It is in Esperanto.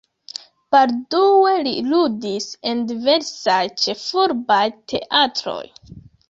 Baldaŭe li ludis en diversaj ĉefurbaj teatroj.